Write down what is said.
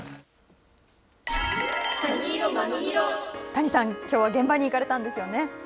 谷さん、きょうは現場に行かれたんですよね。